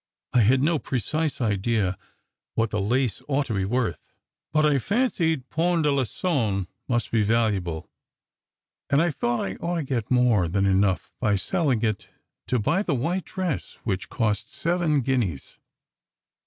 I had no precise idea what the lace ought to be worth, but I fancied Point d Alengon must be valuable, and I thought I ought to get more than 8 SECRET HISTORY enough by selling it to buy the white dress, which cost seven guineas.